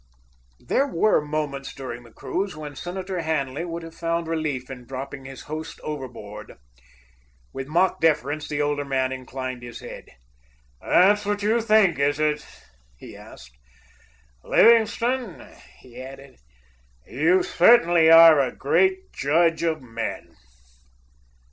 There were moments during the cruise when Senator Hanley would have found relief in dropping his host overboard. With mock deference, the older man inclined his head. "That's what you think, is it?" he asked. "Livingstone," he added, "you certainly are a great judge of men!"